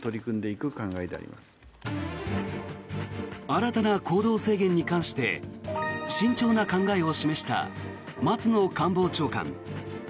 新たな行動制限に関して慎重な考えを示した松野官房長官。